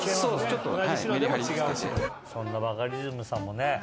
そんなバカリズムさんもね